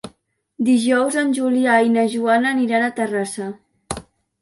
Dijous en Julià i na Joana aniran a Terrassa.